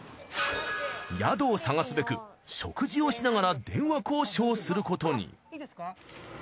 宿を探すべく食事をしながら電話交渉することに。